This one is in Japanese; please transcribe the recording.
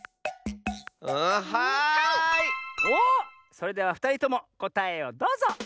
それではふたりともこたえをどうぞ！